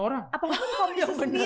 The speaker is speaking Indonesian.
malah biasanya perempuan lebih